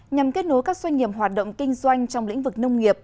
nhằm kết nối các doanh nghiệp hoạt động kinh doanh trong lĩnh vực nông nghiệp